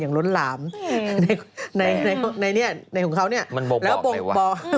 อย่างล้นหลามในของเขานึยและบ่อก